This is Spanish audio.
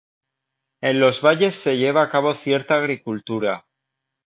En los valles se lleva a cabo cierta agricultura.